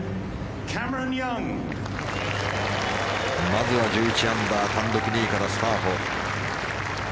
まずは１１アンダー単独２位からスタート